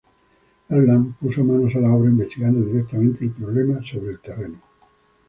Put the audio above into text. Erlang puso manos a la obra investigando directamente el problema en el terreno.